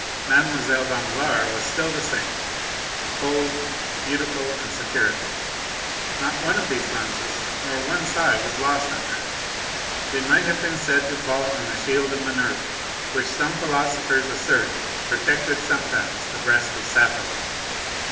Mademoiselle Danglars was still the same—cold, beautiful, and satirical. Not one of these glances, nor one sigh, was lost on her; they might have been said to fall on the shield of Minerva, which some philosophers assert protected sometimes the breast of Sappho.